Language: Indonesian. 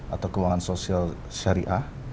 atau keuangan sosial syariah